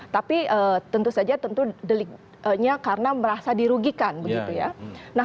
tapi tentu saja tentu deliknya karena merasa dirugikan begitu ya